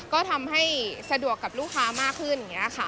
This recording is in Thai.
ก็ทำให้สะดวกกับลูกค้ามากขึ้น